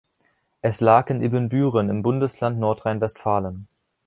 Es lag in Ibbenbüren im Bundesland Nordrhein-Westfalen.